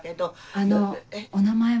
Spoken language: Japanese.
あのお名前は？